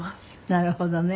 なるほどね。